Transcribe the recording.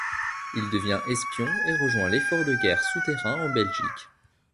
Il devient espion et rejoint l'effort de guerre souterrain en Belgique.